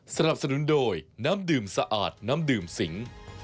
สนับสนุนโดยน้ำดื่มสะอาดน้ำดื่มสิง